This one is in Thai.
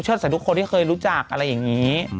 ใส่ทุกคนที่เคยรู้จักอะไรอย่างนี้